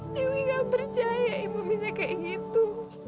tapi gak percaya ibu bisa kayak gitu